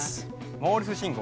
モールス信号。